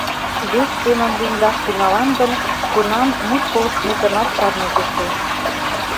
Вес семын лӱмдаш тӱҥалам гын, тунам мут колыштметымат чарнет эше...